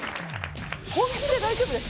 本気で大丈夫です？